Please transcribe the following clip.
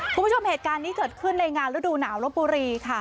คุณผู้ชมเหตุการณ์นี้เกิดขึ้นในงานฤดูหนาวลบบุรีค่ะ